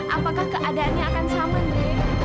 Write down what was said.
apakah keadaannya akan sama mungkin